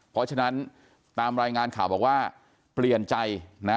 เพราะฉะนั้นตามรายงานข่าวบอกว่าเปลี่ยนใจนะ